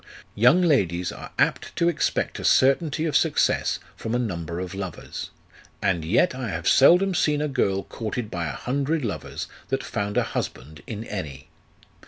Young ladies are apt to expect a certainty of success from a number of lovers ; and yet I have seldom seen a girl courted by a hundred lovers that found a husband in any.